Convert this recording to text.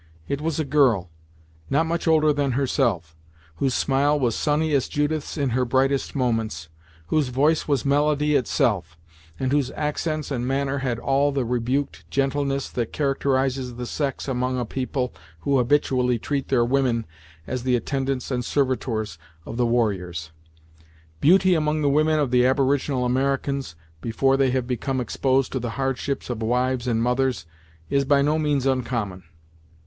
It was a girl, not much older than herself, whose smile was sunny as Judith's in her brightest moments, whose voice was melody itself, and whose accents and manner had all the rebuked gentleness that characterizes the sex among a people who habitually treat their women as the attendants and servitors of the warriors. Beauty among the women of the aboriginal Americans, before they have become exposed to the hardships of wives and mothers, is by no means uncommon.